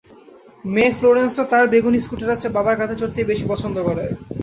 মেয়ে ফ্লোরেন্সও তার বেগুনি স্কুটারের চেয়ে বাবার কাঁধে চড়তেই বেশি পছন্দ করে।